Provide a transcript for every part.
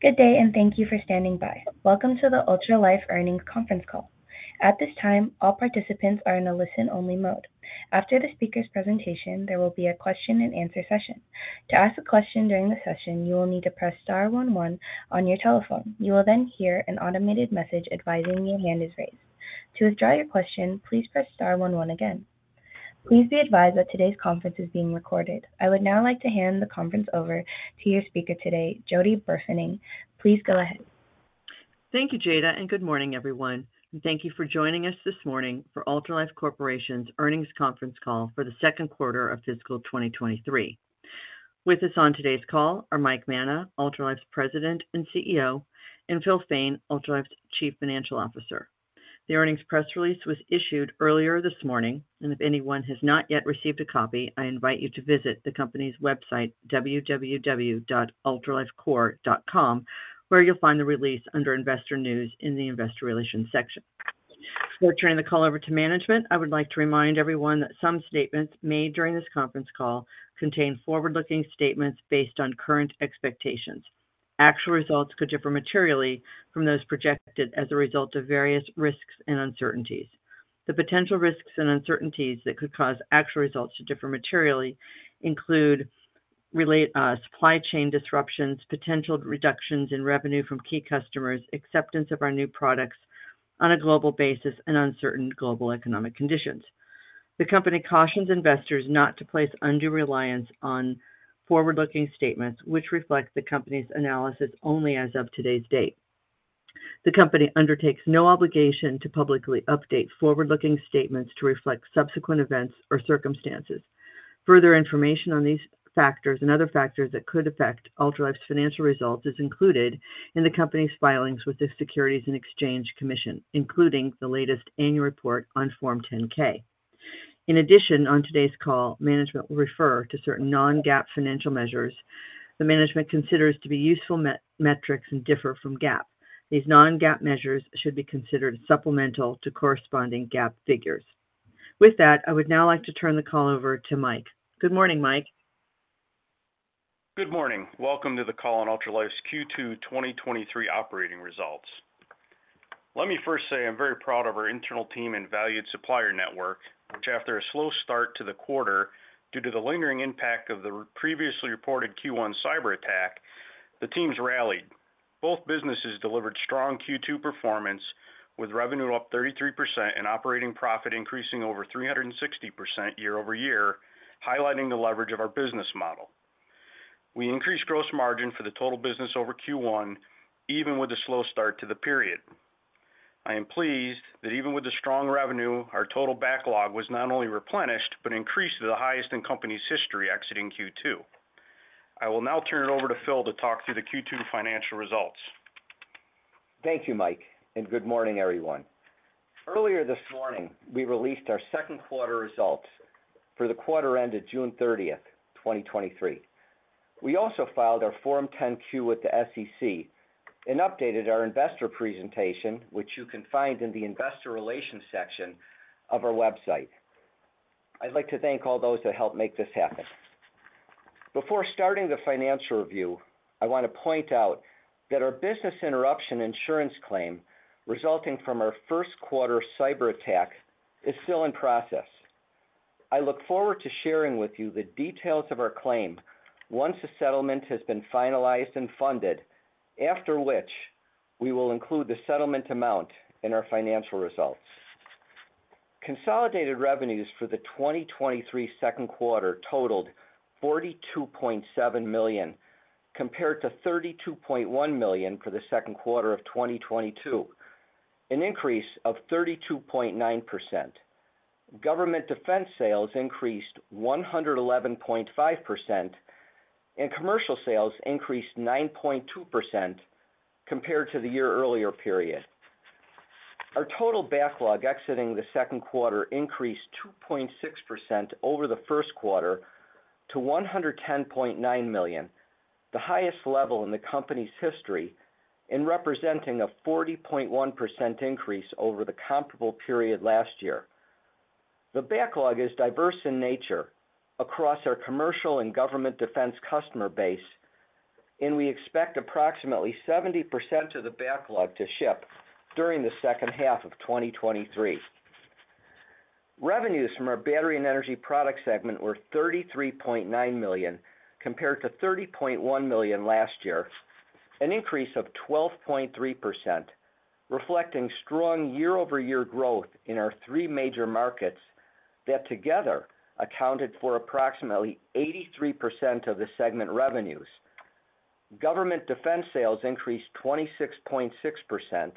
Good day, and thank you for standing by. Welcome to the Ultralife Earnings Conference Call. At this time, all participants are in a listen-only mode. After the speaker's presentation, there will be a question-and-answer session. To ask a question during the session, you will need to press star one, one on your telephone. You will then hear an automated message advising you your hand is raised. To withdraw your question, please press star one, one again. Please be advised that today's conference is being recorded. I would now like to hand the conference over to your speaker today, Jody Burfening. Please go ahead. Thank you, Jada. Good morning, everyone. Thank you for joining us this morning for Ultralife Corporation's Earnings Conference Call for the second quarter of fiscal 2023. With us on today's call are Mike Manna, Ultralife's President and Chief Executive Officer, and Phil Fain, Ultralife's Chief Financial Officer. The earnings press release was issued earlier this morning, and if anyone has not yet received a copy, I invite you to visit the company's website, www.ultralifecorp.com, where you'll find the release under Investor News in the Investor Relations section. Before turning the call over to management, I would like to remind everyone that some statements made during this conference call contain forward-looking statements based on current expectations. Actual results could differ materially from those projected as a result of various risks and uncertainties. The potential risks and uncertainties that could cause actual results to differ materially include relate, supply chain disruptions, potential reductions in revenue from key customers, acceptance of our new products on a global basis, and uncertain global economic conditions. The company cautions investors not to place undue reliance on forward-looking statements, which reflect the company's analysis only as of today's date. The company undertakes no obligation to publicly update forward-looking statements to reflect subsequent events or circumstances. Further information on these factors and other factors that could affect Ultralife's financial results is included in the company's filings with the Securities and Exchange Commission, including the latest annual report on Form 10-K. In addition, on today's call, management will refer to certain non-GAAP financial measures the management considers to be useful metrics and differ from GAAP. These non-GAAP measures should be considered supplemental to corresponding GAAP figures. With that, I would now like to turn the call over to Mike. Good morning, Mike. Good morning. Welcome to the call on Ultralife's Q2 2023 operating results. Let me first say, I'm very proud of our internal team and valued supplier network, which, after a slow start to the quarter, due to the lingering impact of the previously reported Q1 cyberattack, the teams rallied. Both businesses delivered strong Q2 performance, with revenue up 33% and operating profit increasing over 360% year-over-year, highlighting the leverage of our business model. We increased gross margin for the total business over Q1, even with a slow start to the period. I am pleased that even with the strong revenue, our total backlog was not only replenished but increased to the highest in company's history exiting Q2. I will now turn it over to Phil to talk through the Q2 financial results. Thank you, Mike. Good morning, everyone. Earlier this morning, we released our second quarter results for the quarter ended June 30, 2023. We also filed our Form 10-Q with the SEC and updated our investor presentation, which you can find in the Investor Relations section of our website. I'd like to thank all those who helped make this happen. Before starting the financial review, I want to point out that our business interruption insurance claim, resulting from our first quarter cyberattack, is still in process. I look forward to sharing with you the details of our claim once the settlement has been finalized and funded, after which we will include the settlement amount in our financial results. Consolidated revenues for the 2023 second quarter totaled $42.7 million, compared to $32.1 million for the second quarter of 2022, an increase of 32.9%. Government defense sales increased 111.5%, and commercial sales increased 9.2% compared to the year earlier period. Our total backlog exiting the second quarter increased 2.6% over the first quarter to $110.9 million, the highest level in the company's history in representing a 40.1% increase over the comparable period last year. The backlog is diverse in nature across our commercial and government defense customer base, and we expect approximately 70% of the backlog to ship during the second half of 2023. Revenues from our Battery & Energy Products segment were $33.9 million, compared to $30.1 million last year, an increase of 12.3%, reflecting strong year-over-year growth in our three major markets that together accounted for approximately 83% of the segment revenues. Government defense sales increased 26.6%,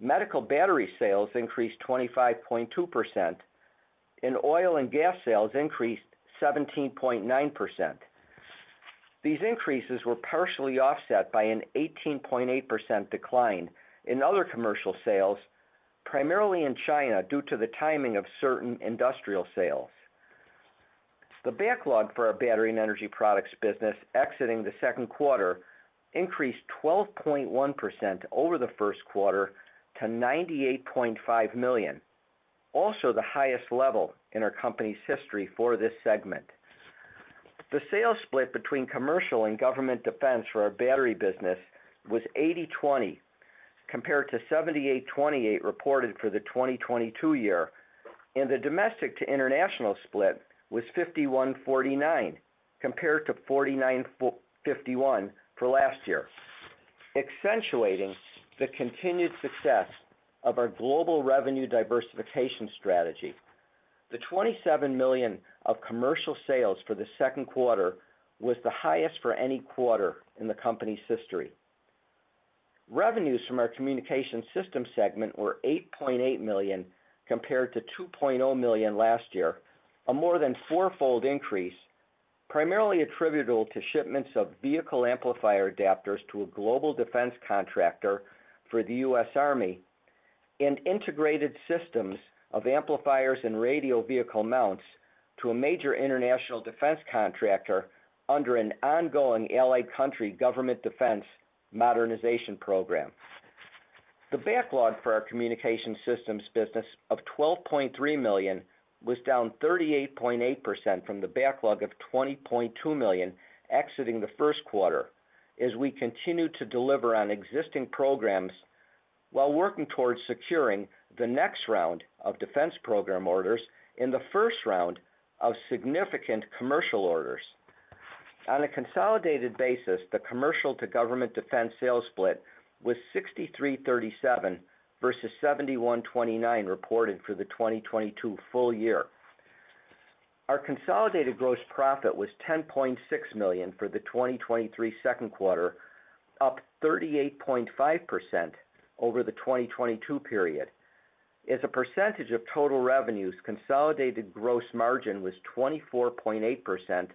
medical battery sales increased 25.2%. Oil and gas sales increased 17.9%. These increases were partially offset by an 18.8% decline in other commercial sales, primarily in China, due to the timing of certain industrial sales. The backlog for our Battery & Energy Products business exiting the second quarter increased 12.1% over the first quarter to $98.5 million, also the highest level in our company's history for this segment. The sales split between commercial and government defense for our battery business was 80/20, compared to 78/28 reported for the 2022 year, and the domestic to international split was 51/49, compared to 49/51 for last year. Accentuating the continued success of our global revenue diversification strategy, the $27 million of commercial sales for the second quarter was the highest for any quarter in the company's history. Revenues from our communication system segment were $8.8 million, compared to $2.0 million last year, a more than fourfold increase, primarily attributable to shipments of Vehicle Amplifier Adapters to a global defense contractor for the U.S. Army, and integrated systems of amplifiers and radio vehicle mounts to a major international defense contractor under an ongoing allied country government defense modernization program. The backlog for our Communications Systems business of $12.3 million was down 38.8% from the backlog of $20.2 million exiting the first quarter, as we continued to deliver on existing programs while working towards securing the next round of defense program orders in the first round of significant commercial orders. On a consolidated basis, the commercial to government defense sales split was 63/37 versus 71/29, reported for the 2022 full year. Our consolidated gross profit was $10.6 million for the 2023 second quarter, up 38.5% over the 2022 period. As a percentage of total revenues, consolidated gross margin was 24.8%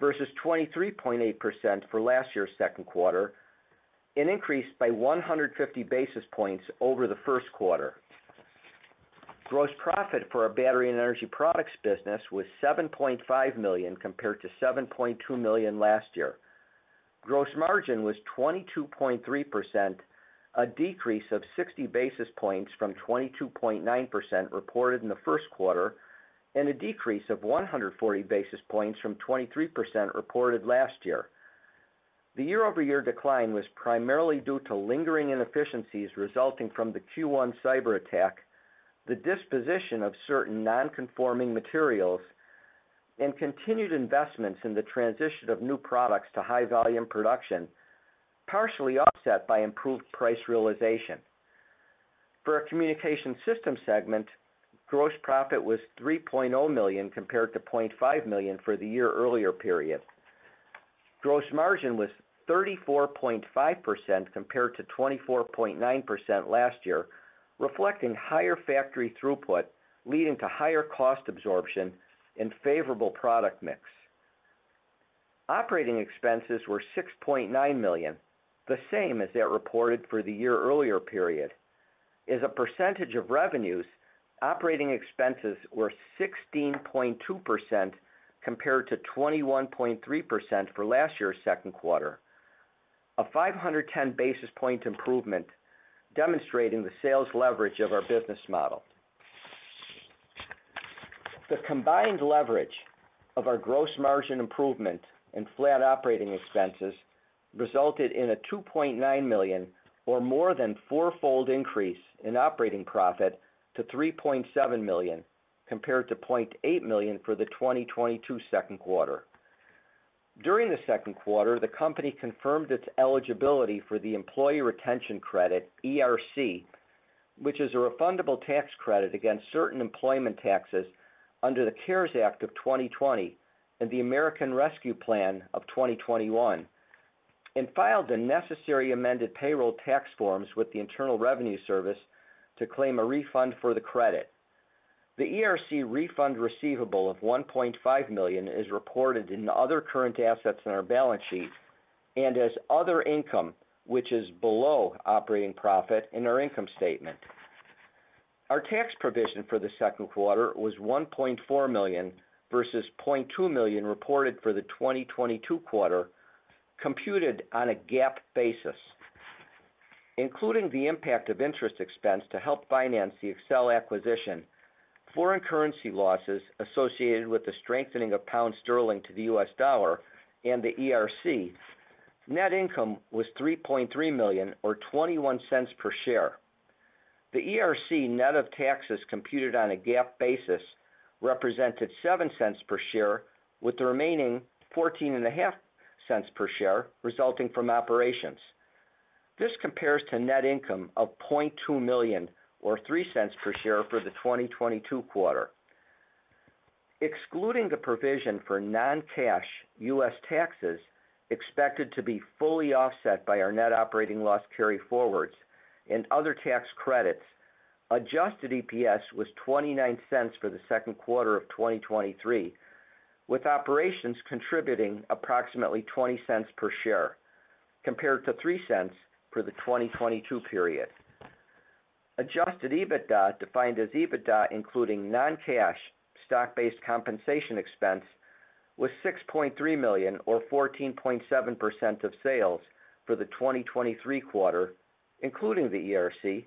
versus 23.8% for last year's second quarter, and increased by 150 basis points over the first quarter. Gross profit for our Battery & Energy Products business was $7.5 million, compared to $7.2 million last year. Gross margin was 22.3%, a decrease of 60 basis points from 22.9% reported in the first quarter, and a decrease of 140 basis points from 23% reported last year. The year-over-year decline was primarily due to lingering inefficiencies resulting from the Q1 cyberattack, the disposition of certain non-conforming materials, and continued investments in the transition of new products to high-volume production, partially offset by improved price realization. For our Communications Systems segment, gross profit was $3.0 million, compared to $0.5 million for the year-earlier period. Gross margin was 34.5% compared to 24.9% last year, reflecting higher factory throughput, leading to higher cost absorption and favorable product mix. Operating expenses were $6.9 million, the same as that reported for the year-earlier period. As a percentage of revenues, operating expenses were 16.2% compared to 21.3% for last year's second quarter, a 510 basis point improvement, demonstrating the sales leverage of our business model. The combined leverage of our gross margin improvement and flat operating expenses resulted in a $2.9 million or more than fourfold increase in operating profit to $3.7 million, compared to $0.8 million for the 2022 second quarter. During the second quarter, the company confirmed its eligibility for the Employee Retention Credit, ERC, which is a refundable tax credit against certain employment taxes under the CARES Act of 2020 and the American Rescue Plan of 2021, and filed the necessary amended payroll tax forms with the Internal Revenue Service to claim a refund for the credit. The ERC refund receivable of $1.5 million is reported in the other current assets on our balance sheet and as other income, which is below operating profit in our income statement. Our tax provision for the second quarter was $1.4 million versus $0.2 million reported for the 2022 quarter, computed on a GAAP basis. Including the impact of interest expense to help finance the Excell acquisition, foreign currency losses associated with the strengthening of pound sterling to the U.S. dollar and the ERC, net income was $3.3 million or $0.21 per share. The ERC, net of taxes computed on a GAAP basis, represented $0.07 per share, with the remaining $0.145 per share resulting from operations. This compares to net income of $0.2 million or $0.03 per share for the 2022 quarter. Excluding the provision for non-cash U.S. taxes, expected to be fully offset by our net operating loss carryforwards and other tax credits, adjusted EPS was $0.29 for the second quarter of 2023, with operations contributing approximately $0.20 per share, compared to $0.03 for the 2022 period. Adjusted EBITDA, defined as EBITDA, including non-cash stock-based compensation expense. Was $6.3 million or 14.7% of sales for the 2023 quarter, including the ERC,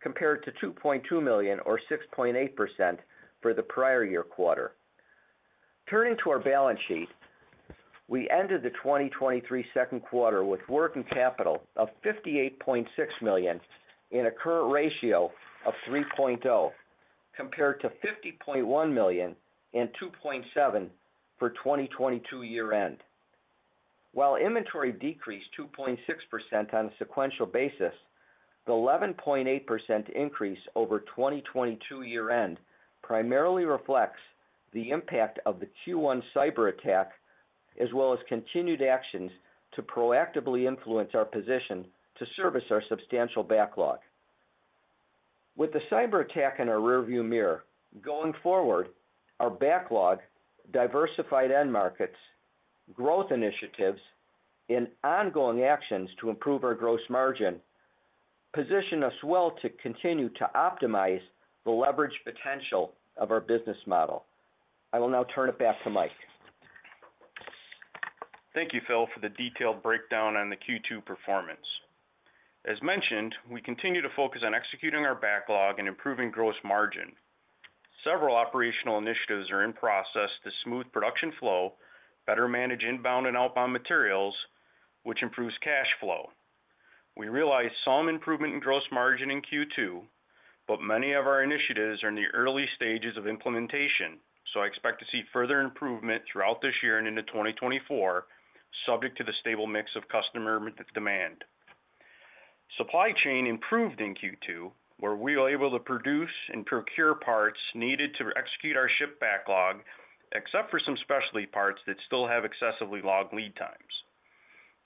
compared to $2.2 million or 6.8% for the prior year quarter. Turning to our balance sheet, we ended the 2023 second quarter with working capital of $58.6 million, and a current ratio of 3.0, compared to $50.1 million and 2.7 for 2022 year end. While inventory decreased 2.6% on a sequential basis, the 11.8% increase over 2022 year end primarily reflects the impact of the Q1 cyberattack, as well as continued actions to proactively influence our position to service our substantial backlog. With the cyberattack in our rearview mirror, going forward, our backlog, diversified end markets, growth initiatives, and ongoing actions to improve our gross margin, position us well to continue to optimize the leverage potential of our business model. I will now turn it back to Mike. Thank you, Phil, for the detailed breakdown on the Q2 performance. As mentioned, we continue to focus on executing our backlog and improving gross margin. Several operational initiatives are in process to smooth production flow, better manage inbound and outbound materials, which improves cash flow. We realized some improvement in gross margin in Q2, but many of our initiatives are in the early stages of implementation, so I expect to see further improvement throughout this year and into 2024, subject to the stable mix of customer demand. Supply chain improved in Q2, where we were able to produce and procure parts needed to execute our ship backlog, except for some specialty parts that still have excessively long lead times.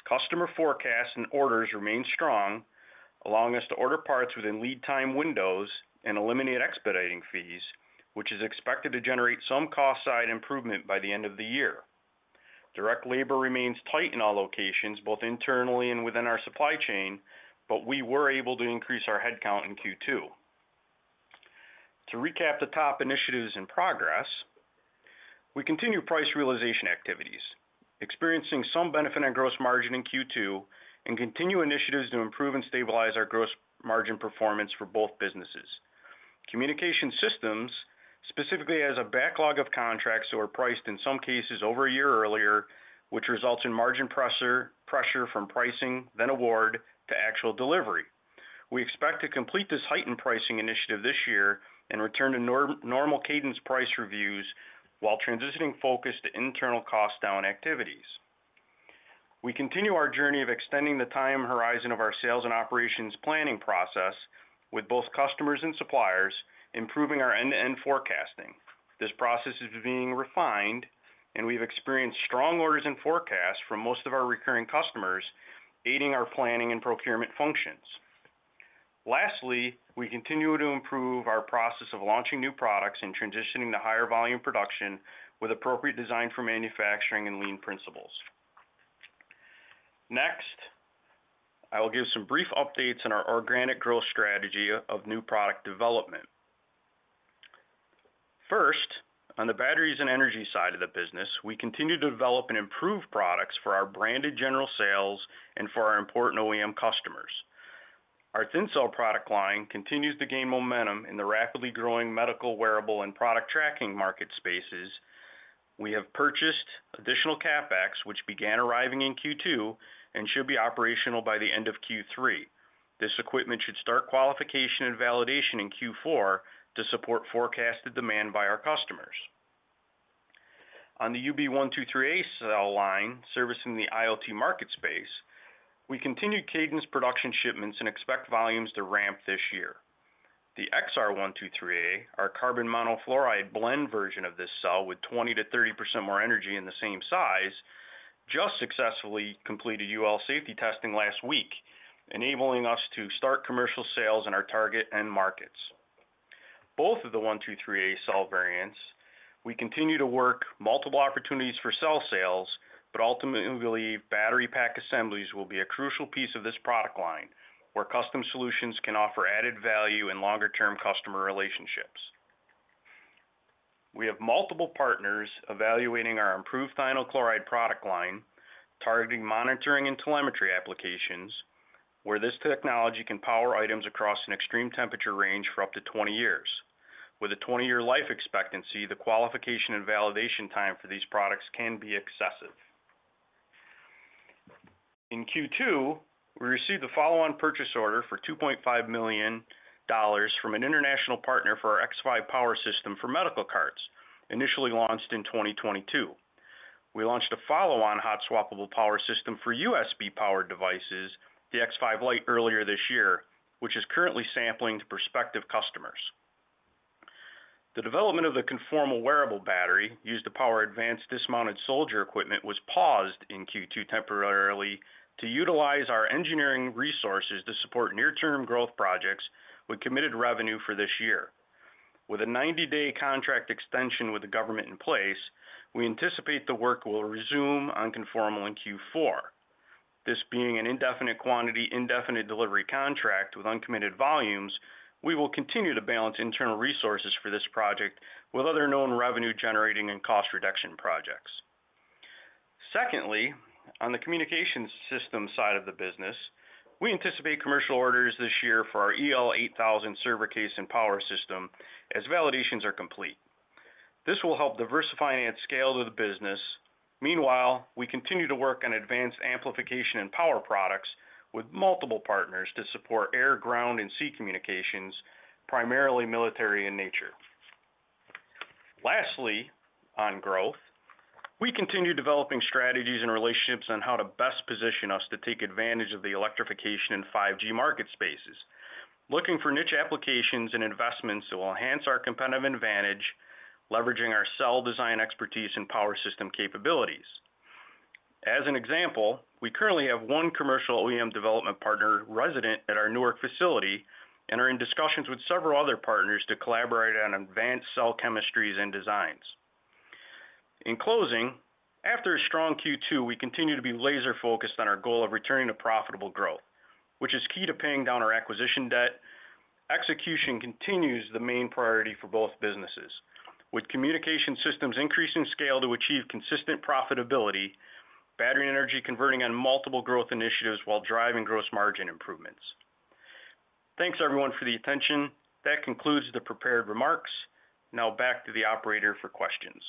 Customer forecasts and orders remain strong, allowing us to order parts within lead time windows and eliminate expediting fees, which is expected to generate some cost side improvement by the end of the year. Direct labor remains tight in all locations, both internally and within our supply chain, but we were able to increase our headcount in Q2. To recap the top initiatives in progress, we continue price realization activities, experiencing some benefit on gross margin in Q2, and continue initiatives to improve and stabilize our gross margin performance for both businesses. Communication Systems, specifically, has a backlog of contracts that were priced, in some cases, over a year earlier, which results in margin pressure from pricing, then award to actual delivery. We expect to complete this heightened pricing initiative this year and return to normal cadence price reviews, while transitioning focus to internal cost down activities. We continue our journey of extending the time horizon of our sales and operations planning process with both customers and suppliers, improving our end-to-end forecasting. This process is being refined, and we've experienced strong orders and forecasts from most of our recurring customers, aiding our planning and procurement functions. Lastly, we continue to improve our process of launching new products and transitioning to higher volume production with appropriate design for manufacturing and lean principles. Next, I will give some brief updates on our organic growth strategy of new product development. First, on the batteries and energy side of the business, we continue to develop and improve products for our branded general sales and for our important OEM customers. Our Thin Cell product line continues to gain momentum in the rapidly growing medical, wearable, and product tracking market spaces. We have purchased additional CapEx, which began arriving in Q2 and should be operational by the end of Q3. This equipment should start qualification and validation in Q4 to support forecasted demand by our customers. On the UB123A cell line, servicing the IoT market space, we continued cadence production shipments and expect volumes to ramp this year. The XR123A, our carbon monofluoride blend version of this cell, with 20%-30% more energy in the same size, just successfully completed UL safety testing last week, enabling us to start commercial sales in our target end markets. Both of the 123A cell variants, we continue to work multiple opportunities for cell sales, but ultimately, battery pack assemblies will be a crucial piece of this product line, where custom solutions can offer added value and longer-term customer relationships. We have multiple partners evaluating our improved thionyl chloride product line, targeting monitoring and telemetry applications, where this technology can power items across an extreme temperature range for up to 20 years. With a 20 year life expectancy, the qualification and validation time for these products can be excessive. In Q2, we received a follow-on purchase order for $2.5 million from an international partner for our X5 Power System for medical carts, initially launched in 2022. We launched a follow-on hot swappable power system for USB-powered devices, the X5-LITE, earlier this year, which is currently sampling to prospective customers. The development of the Conformal Wearable Battery, used to power advanced dismounted soldier equipment, was paused in Q2 temporarily to utilize our engineering resources to support near-term growth projects with committed revenue for this year. With a 90 day contract extension with the government in place, we anticipate the work will resume on Conformal in Q4. This being an indefinite quantity, indefinite delivery contract with uncommitted volumes, we will continue to balance internal resources for this project with other known revenue-generating and cost reduction projects. On the communication system side of the business, we anticipate commercial orders this year for our EL8000 server case and power system as validations are complete. This will help diversify and scale to the business. Meanwhile, we continue to work on advanced amplification and power products with multiple partners to support air, ground, and sea communications, primarily military in nature. Lastly, on growth, we continue developing strategies and relationships on how to best position us to take advantage of the electrification and 5G market spaces, looking for niche applications and investments that will enhance our competitive advantage, leveraging our cell design expertise and power system capabilities. As an example, we currently have one commercial OEM development partner resident at our Newark facility and are in discussions with several other partners to collaborate on advanced cell chemistries and designs. In closing, after a strong Q2, we continue to be laser-focused on our goal of returning to profitable growth, which is key to paying down our acquisition debt. Execution continues the main priority for both businesses, with Communications Systems increasing scale to achieve consistent profitability, Battery Energy converting on multiple growth initiatives while driving gross margin improvements. Thanks, everyone, for the attention. That concludes the prepared remarks. Now back to the operator for questions.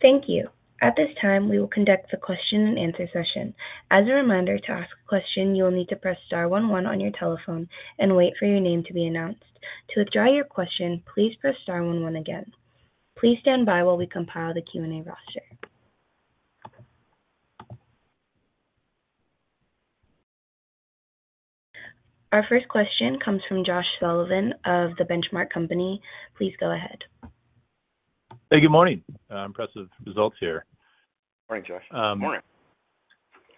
Thank you. At this time, we will conduct the question-and-answer session. As a reminder, to ask a question, you will need to press star one, one on your telephone and wait for your name to be announced. To withdraw your question, please press star one, one again. Please stand by while we compile the Q&A roster. Our first question comes from Josh Sullivan of The Benchmark Company. Please go ahead. Hey, good morning. Impressive results here. Morning, Josh. Morning.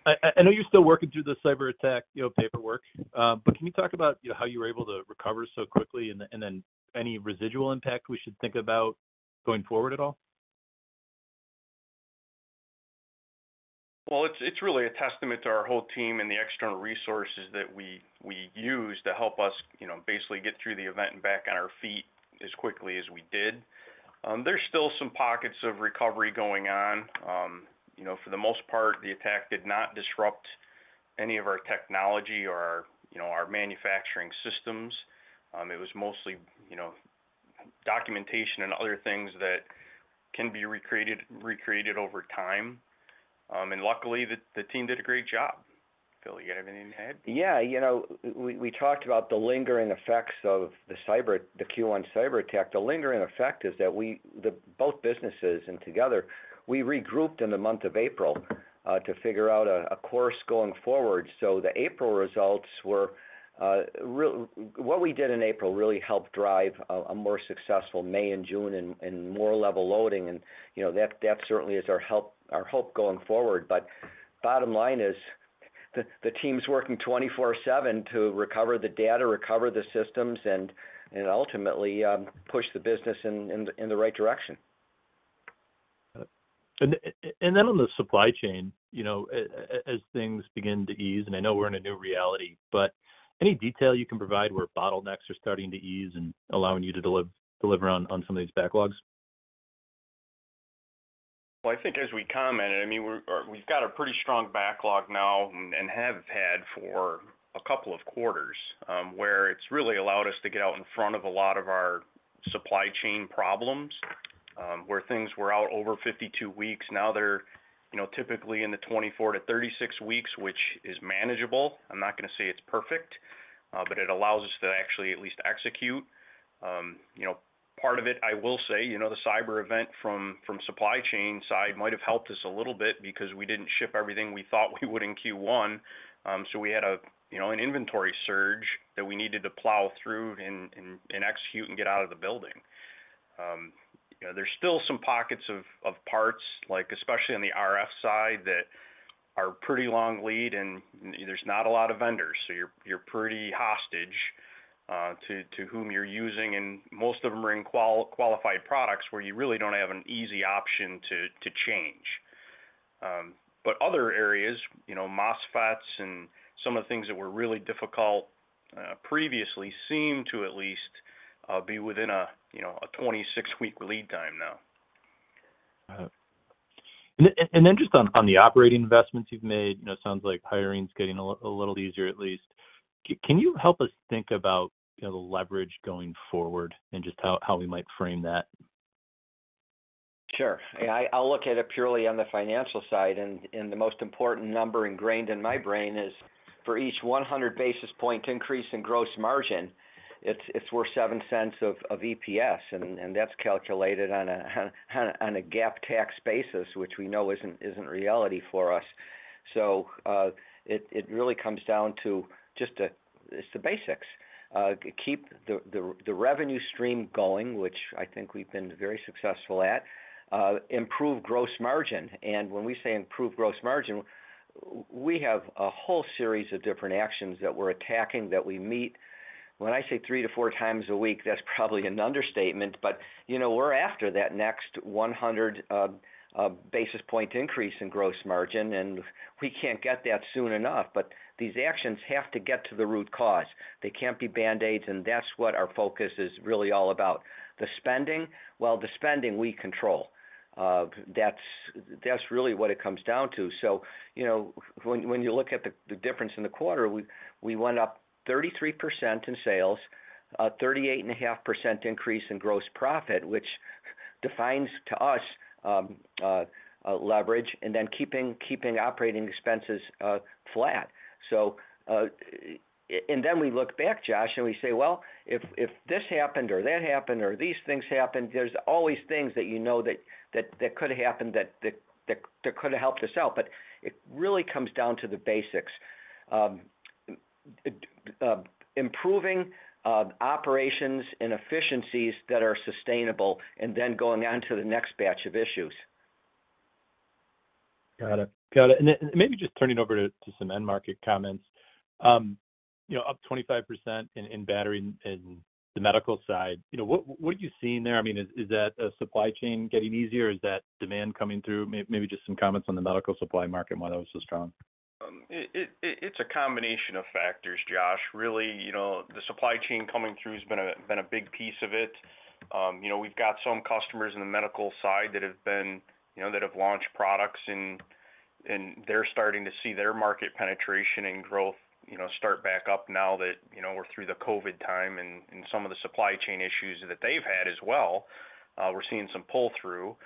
I know you're still working through the cyberattack, you know, paperwork, but can you talk about, you know, how you were able to recover so quickly and then any residual impact we should think about going forward at all? Well, it's really a testament to our whole team and the external resources that we use to help us, you know, basically get through the event and back on our feet as quickly as we did. There's still some pockets of recovery going on. You know, for the most part, the attack did not disrupt any of our technology or, you know, our manufacturing systems. It was mostly, you know, documentation and other things that can be recreated over time. Luckily, the team did a great job. Phil, you have anything to add? Yeah, you know, we talked about the lingering effects of the Q1 cyberattack. The lingering effect is that the both businesses and together, we regrouped in the month of April to figure out a course going forward. The April results were what we did in April really helped drive a more successful May and June and more level loading, and, you know, that certainly is our hope going forward. Bottom line is the team's working 24/7 to recover the data, recover the systems, and ultimately push the business in the right direction. Got it. Then on the supply chain, you know, as things begin to ease, and I know we're in a new reality, but any detail you can provide where bottlenecks are starting to ease and allowing you to deliver on some of these backlogs? I think as we commented, I mean, we're we've got a pretty strong backlog now and have had for a couple of quarters, where it's really allowed us to get out in front of a lot of our supply chain problems, where things were out over 52 weeks. Now they're, you know, typically in the 24-36 weeks, which is manageable. I'm not gonna say it's perfect, but it allows us to actually at least execute. You know, part of it, I will say, you know, the cyber event from supply chain side might have helped us a little bit because we didn't ship everything we thought we would in Q1. We had a, you know, an inventory surge that we needed to plow through and execute and get out of the building. You know, there's still some pockets of, of parts, like, especially on the RF side, that are pretty long lead, and there's not a lot of vendors, so you're, you're pretty hostage to, to whom you're using, and most of them are in qualified products, where you really don't have an easy option to, to change. Other areas, you know, MOSFETs and some of the things that were really difficult previously, seem to at least be within a, you know, a 26 week lead time now. Got it. Then just on the operating investments you've made, you know, it sounds like hiring is getting a little easier at least. Can you help us think about, you know, the leverage going forward and just how we might frame that? Sure. I'll look at it purely on the financial side, and the most important number ingrained in my brain is, for each 100 basis point increase in gross margin, it's worth $0.07 of EPS, and that's calculated on a GAAP tax basis, which we know isn't reality for us. It really comes down to just the basics. Keep the revenue stream going, which I think we've been very successful at. Improve gross margin, and when we say improve gross margin, we have a whole series of different actions that we're attacking, that we meet. When I say three to four times a week, that's probably an understatement, you know, we're after that next 100 basis point increase in gross margin, and we can't get that soon enough. These actions have to get to the root cause. They can't be Band-Aids, and that's what our focus is really all about. The spending? Well, the spending we control. That's really what it comes down to. You know, when you look at the difference in the quarter, we went up 33% in sales, a 38.5% increase in gross profit, which defines to us leverage, and then keeping operating expenses flat. Then we look back, Josh, and we say, "Well, if, if this happened or that happened, or these things happened," there's always things that you know that could have happened that could have helped us out. It really comes down to the basics. Improving operations and efficiencies that are sustainable, then going on to the next batch of issues. Got it. Got it. Then maybe just turning over to some end market comments. You know, up 25% in battery and the medical side, you know, what are you seeing there? I mean, is that a supply chain getting easier, or is that demand coming through? Maybe just some comments on the medical supply market, why that was so strong. It's a combination of factors, Josh. Really, you know, the supply chain coming through has been a big piece of it. You know, we've got some customers in the medical side that have been, you know, that have launched products, and they're starting to see their market penetration and growth, you know, start back up now that, you know, we're through the COVID time and some of the supply chain issues that they've had as well. We're seeing some pull-through.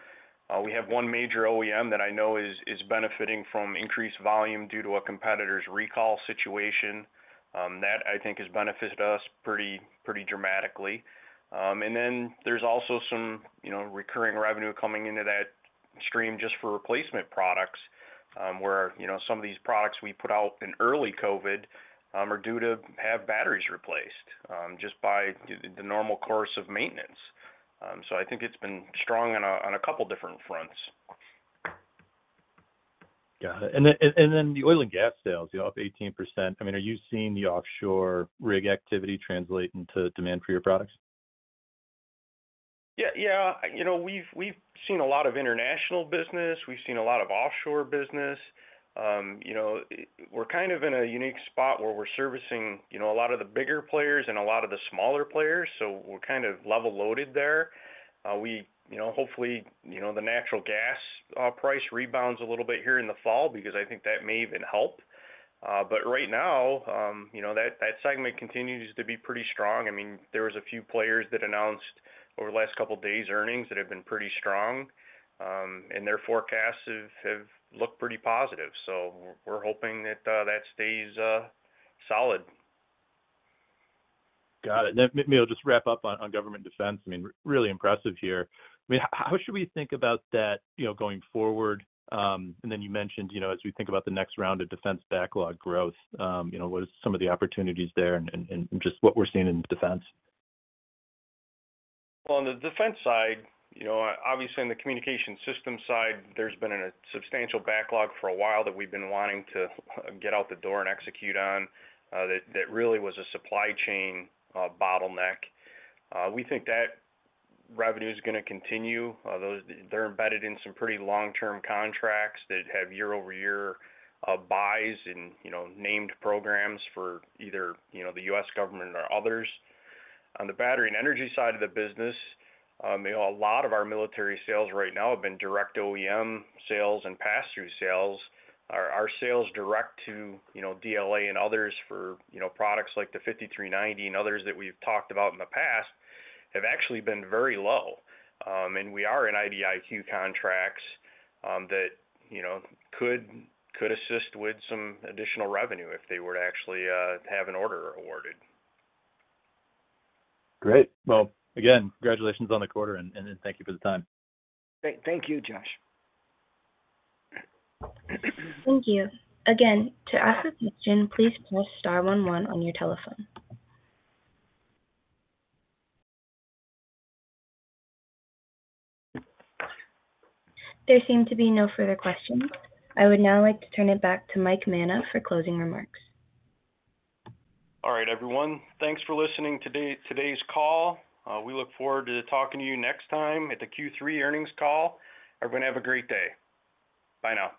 We have one major OEM that I know is benefiting from increased volume due to a competitor's recall situation. That, I think, has benefited us pretty dramatically. There's also some, you know, recurring revenue coming into that stream just for replacement products, where, you know, some of these products we put out in early COVID, are due to have batteries replaced, just by the, the normal course of maintenance. I think it's been strong on a, on a couple different fronts. Got it. The oil and gas sales, up 18%, I mean, are you seeing the offshore rig activity translate into demand for your products? Yeah, you know, we've seen a lot of international business. We've seen a lot of offshore business. You know, we're kind of in a unique spot where we're servicing, you know, a lot of the bigger players and a lot of the smaller players, so we're kind of level loaded there. We, you know, hopefully, you know, the natural gas price rebounds a little bit here in the fall because I think that may even help. But right now, you know, that segment continues to be pretty strong. I mean, there was a few players that announced over the last couple of days, earnings, that have been pretty strong, and their forecasts have looked pretty positive. We're hoping that stays solid. Got it. Maybe I'll just wrap up on government defense. I mean, really impressive here. I mean, how should we think about that, you know, going forward? You mentioned, you know, as we think about the next round of defense backlog growth, you know, what are some of the opportunities there and just what we're seeing in defense? On the defense side, you know, obviously, in the Communications Systems side, there's been a substantial backlog for a while that we've been wanting to get out the door and execute on, that really was a supply chain bottleneck. We think that revenue is gonna continue. Those, they're embedded in some pretty long-term contracts that have year-over-year buys and, you know, named programs for either, you know, the U.S. government or others. On the battery and energy side of the business, a lot of our military sales right now have been direct OEM sales and pass-through sales. Our sales direct to, you know, DLA and others for, you know, products like the 5390 and others that we've talked about in the past, have actually been very low. We are in IDIQ contracts, that, you know, could assist with some additional revenue if they were to actually have an order awarded. Great! Well, again, congratulations on the quarter, and then thank you for the time. Thank you, Josh. Thank you. Again, to ask a question, please press star one one on your telephone. There seem to be no further questions. I would now like to turn it back to Mike Manna for closing remarks. All right, everyone. Thanks for listening today's call. We look forward to talking to you next time at the Q3 earnings call. Everybody have a great day. Bye now.